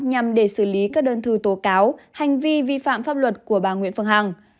nhằm để xử lý các đơn thư tố cáo hành vi vi phạm pháp luật của bà nguyễn phương hằng